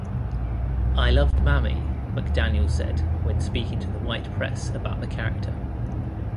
"I loved Mammy," McDaniel said when speaking to the white press about the character.